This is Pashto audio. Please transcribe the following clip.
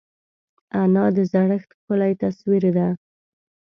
انا د زړښت ښکلی تصویر ده